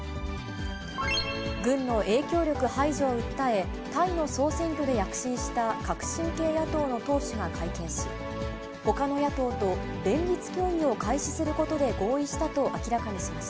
軍の影響力排除を訴え、タイの総選挙で躍進した革新系野党の党首が会見し、ほかの野党と連立協議を開始することで合意したと明らかにしまし